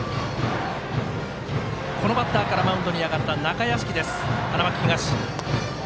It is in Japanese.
このバッターからマウンドに上がった中屋敷、花巻東。